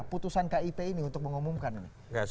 putusan kip ini untuk mengumumkan ini